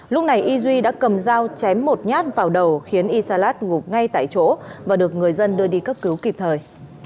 lúc này y duy đã cầm dao chém một nhát vào đầu khiến y salat ngụp ngay tại chỗ và được người dân đưa đi cấp cứu kịp thời